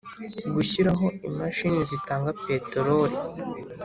Gushyiraho imashini zitanga peteroli